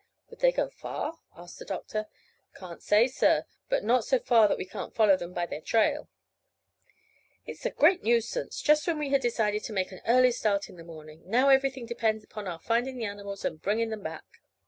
"Would they go far?" asked the doctor. "Can't say, sir, but not so far that we can't follow them by their trail." "It's a great nuisance, just when we had decided to make an early start in the morning. Now everything depends upon our finding the animals and bringing them back."